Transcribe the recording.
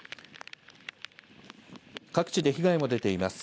各地で被害も出ています。